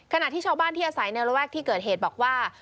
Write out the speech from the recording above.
ขณะที่ชาวบ้านที่อาศัยในระแวกที่เกิดเหตุบอกว่า